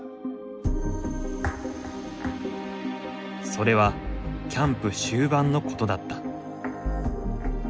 それはキャンプ終盤のことだった。